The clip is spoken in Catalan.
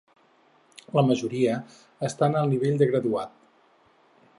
La majoria està en el nivell de graduat.